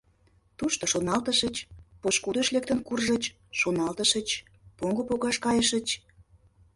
Тушто — шоналтышыч — пошкудыш лектын куржыч, шоналтышыч — поҥго погаш кайышыч...